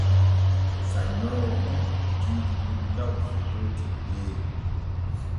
Sannyoowo gom diidu nun taw fotoo tiwggeeru.